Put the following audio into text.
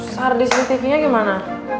sardis tv nya gimana